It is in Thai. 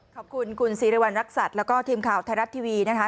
ขอบคุณคุณสิริวัณรักษัตริย์แล้วก็ทีมข่าวไทยรัฐทีวีนะคะ